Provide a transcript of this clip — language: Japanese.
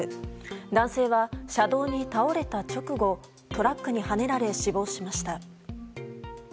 男性は車道に倒れた直後トラックにはねられ死亡しました。